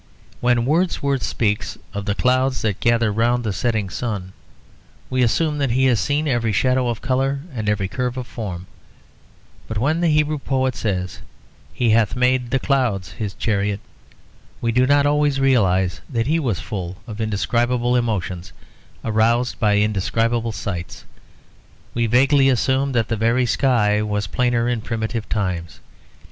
When Wordsworth speaks of "the clouds that gather round the setting sun," we assume that he has seen every shadow of colour and every curve of form; but when the Hebrew poet says "He hath made the clouds his chariot"; we do not always realise that he was full of indescribable emotions aroused by indescribable sights. We vaguely assume that the very sky was plainer in primitive times.